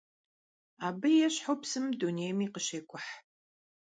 Абы ещхьу псым дунейми къыщекӀухь.